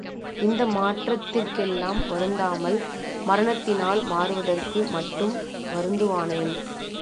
இந்த மாற்றத்திற்கெல்லாம் வருந்தாமல், மரணத்தினால் மாறுவதற்கு மட்டும் வருந்துவானேன்?